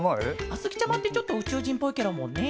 あづきちゃまってちょっとうちゅうじんっぽいケロもんね。